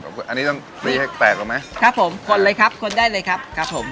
อันนี้ต้องตีให้แตกก่อนไหมครับผมคนเลยครับคนได้เลยครับครับผม